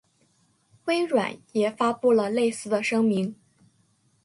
微软也发布了类似的声明。